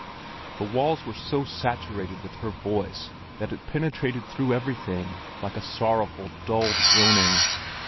The walls were so saturated with her voice that it penetrated through everything like a sorrowful, dull droning.